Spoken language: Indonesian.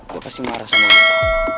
dia pasti marah sama kita